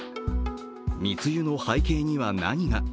密輸の背景には何が？